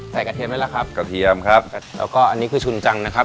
ใช่อันนี้คือชุนจังนะครับ